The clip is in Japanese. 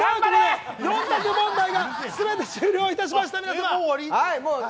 ４択問題が全て終了いたしました。